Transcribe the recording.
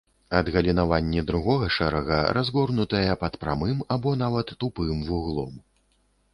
Адгалінаванні другога шэрага разгорнутыя пад прамым або нават тупым вуглом.